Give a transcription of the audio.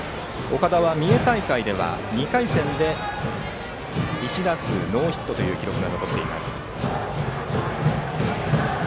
岡田は三重大会では２回戦で１打数ノーヒットという記録が残っています。